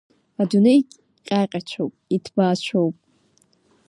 Адунеи ҟьаҟьацәоуп, иҭбаацәоуп.